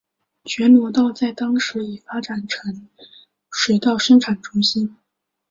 全罗道在当时已发展成水稻生产中心。